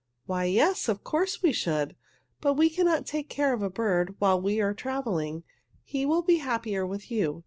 "Why, yes, of course we should! But we cannot take care of a bird while we are traveling. He will be happier with you.